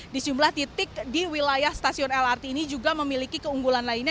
di sejumlah titik di wilayah stasiun lrt ini juga memiliki keunggulan lainnya